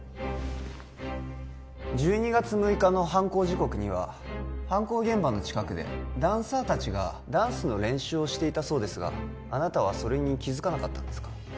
１２月６日の犯行時刻には犯行現場の近くでダンサー達がダンスの練習をしていたそうですがあなたはそれに気づかなかったんですか？